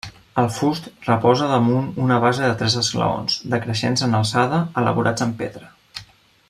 El fust reposa damunt una base de tres esglaons, decreixents en alçada, elaborats en pedra.